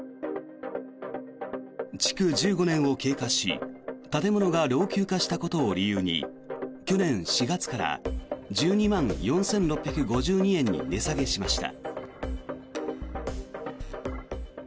築１５年を経過し建物が老朽化したことを理由に去年４月から１２万４６５２円に値下げしました。